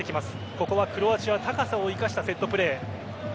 ここはクロアチアは高さを生かしたセットプレー。